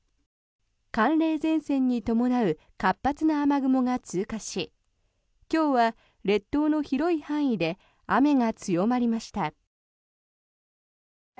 寒冷前線に伴う活発な雨雲が通過し今日は列島の広い範囲で雨が強まりました。